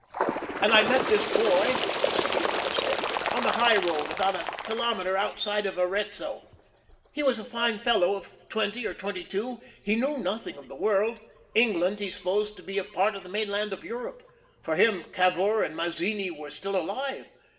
"And I met this boy," the student had said, "on the high road, about a kilometre outside of Arezzo. He was a fine fellow of twenty or twenty two. He knew nothing of the world. England he supposed to be part of the mainland of Europe. For him Cavour and Mazzini were still alive.